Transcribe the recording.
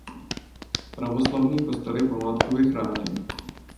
Pravoslavný kostel je památkově chráněn.